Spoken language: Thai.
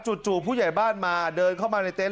จู่ผู้ใหญ่บ้านมาเดินเข้ามาในเต็นต